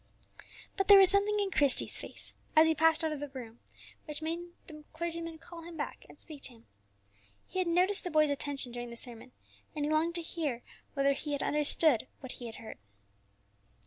But there was something in Christie's face as he passed out of the room which made the clergyman call him back and speak to him. He had noticed the boy's attention during the sermon, and he longed to hear whether he had understood what he had heard.